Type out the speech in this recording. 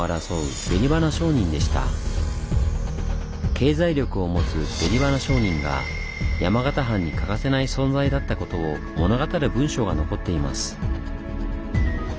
経済力を持つ紅花商人が山形藩に欠かせない存在だったことを物語る文書が残っています。